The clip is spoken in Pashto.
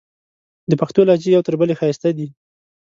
د پښتو لهجې یو تر بلې ښایستې دي.